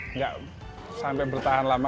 nggak sampai bertahan lama